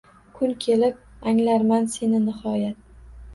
Kun kelib anglarman seni nihoyat